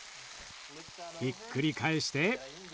ひっくり返して。